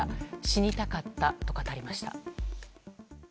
死にたかったと語りました。